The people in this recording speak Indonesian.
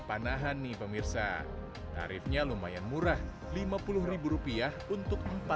panahan nih pemirsa tarifnya lumayan murah lima puluh rupiah untuk empat puluh anak panah telah puas nembak nembak